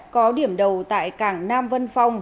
có điểm đầu tại cảng nam vân phong